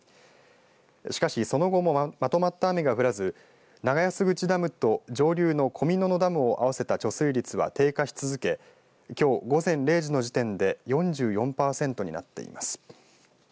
しかしその後もまとまった雨が降らず長安口ダムと上流の小見野々ダムを合わせた貯水率は低下し続けきょう午前０時の時点で４４％になっています。